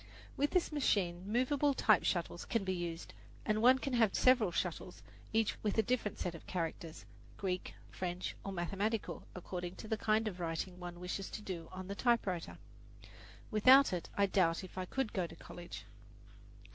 With this machine movable type shuttles can be used, and one can have several shuttles, each with a different set of characters Greek, French, or mathematical, according to the kind of writing one wishes to do on the typewriter. Without it, I doubt if I could go to college.